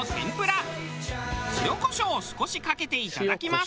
塩コショウを少しかけていただきます。